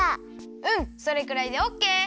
うんそれくらいでオッケー！